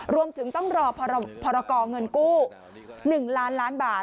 รวมถึงต้องรอพรกรเงินกู้๑ล้านล้านบาท